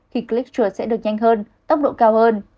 khi click chuột sẽ được nhanh hơn tốc độ cao hơn